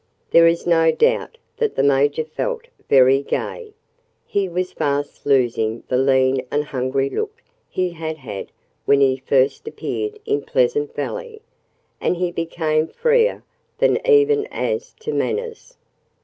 There is no doubt that the Major felt very gay. He was fast losing the lean and hungry look he had had when he first appeared in Pleasant Valley. And he became freer than ever as to manners.